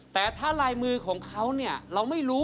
แต่ถ้าลายมือของเขาเนี่ยเราไม่รู้